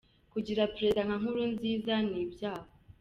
Kugira prezida nka Nkurunziza ni Ibyago.